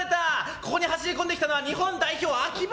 ここに走り込んできたのは日本代表の秋葉。